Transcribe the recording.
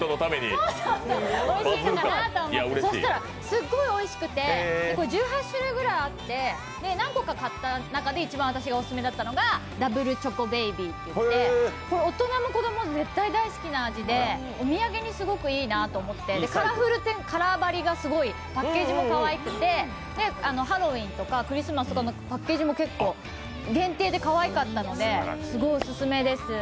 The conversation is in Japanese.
おいしいのかなと思って、そうしたらすごいおいしくてこれ１８種類ぐらいあって何個か買った中で一番私がオススメだったのがダブルチョコレートベイビーといって、大人も子供も絶対に大好きな味でお土産にいいなと思ってカラバリがすごい、パッケージもかわいくてハロウィーンとかクリスマスのパッケージも限定でかわいかったので、すごいオススメです。